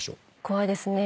怖いですね。